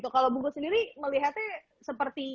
kalau bungkus sendiri melihatnya seperti